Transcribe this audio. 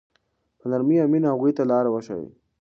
په نرمۍ او مینه هغوی ته لاره وښایئ.